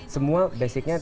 semua basicnya ada